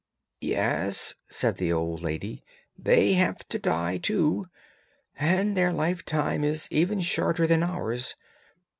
'Yes,' said the old lady, 'they have to die too, and their lifetime is even shorter than ours.